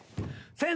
先生。